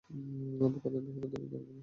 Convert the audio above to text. বোকাদের ব্যাপারে ধৈর্যধারণ করুন।